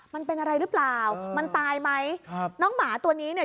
มันเป็นอะไรหรือเปล่ามันตายไหมครับน้องหมาตัวนี้เนี่ย